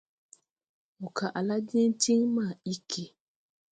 Mo kaʼ la diŋ tiŋ ma iggi.